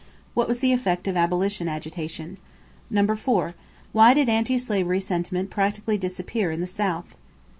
What was the effect of abolition agitation? 4. Why did anti slavery sentiment practically disappear in the South?